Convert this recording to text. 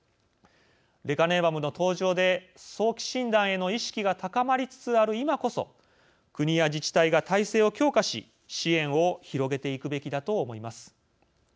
レカネマブの登場で早期診断への意識が高まりつつある今こそ国や自治体が体制を強化し支援を広げていくべきだと思います。